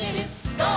ゴー！」